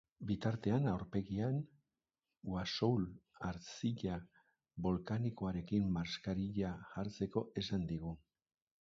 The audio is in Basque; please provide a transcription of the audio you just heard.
Bitartean, aurpegian, ghassoul arzilla bolkanikoarekin maskarila jartzeko esan digu.